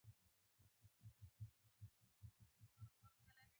بیا به هرو مرو خبر کړم.